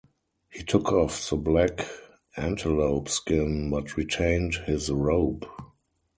He took off the black antelope skin but retained his robe.